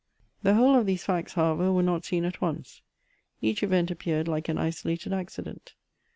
The whole of these £M$ts, however, were not seen at once : each event appeared like an isolated accident.